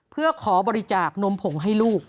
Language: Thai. เพื่อขอบริจาคนมผงให้ลูก